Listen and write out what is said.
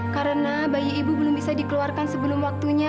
karena bayi ibu belum bisa dikeluarkan sebelum waktunya